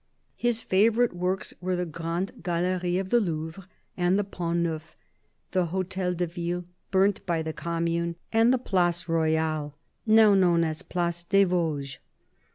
His favourite works were the Grande Galerie of the Louvre, the Pont Neuf, the Hotel de Ville, burnt by the Commune, and the Place Royale, now known as Place des Vosges.